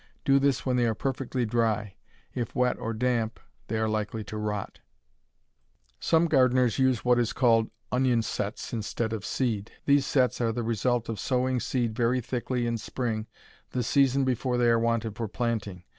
Do this when they are perfectly dry. If wet or damp they are likely to rot. Some gardeners use what is called onion "sets" instead of seed. These "sets" are the result of sowing seed very thickly in spring the season before they are wanted for planting.